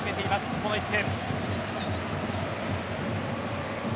この一戦。